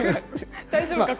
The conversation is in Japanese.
大丈夫か？